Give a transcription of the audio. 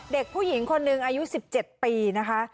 เด็กผู้หญิงคนหนึ่งอายุ๑๗ปีนะคะ